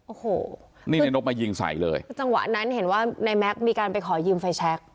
โอ้โหนี่ในนกมายิงใส่เลยคือจังหวะนั้นเห็นว่าในแม็กซ์มีการไปขอยืมไฟแชค